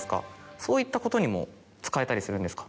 そういったことにも使えたりするんですか？